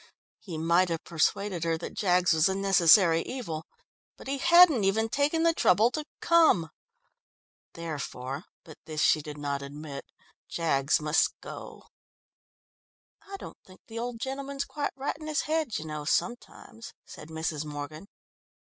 He might have persuaded her that Jaggs was a necessary evil, but he hadn't even taken the trouble to come. Therefore but this she did not admit Jaggs must go. "I don't think the old gentleman's quite right in his head, you know, sometimes," said Mrs. Morgan.